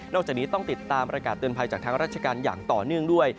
จากนี้ต้องติดตามประกาศเตือนภัยจากทางราชการอย่างต่อเนื่องด้วย